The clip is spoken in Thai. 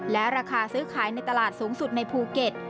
และราคาซื้อขายในตลาดสูงสุดในภูเก็ต